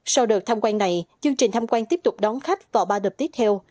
sau đợt tham quan này chương trình tham quan tiếp tục đón khách vào ba đợt tiếp theo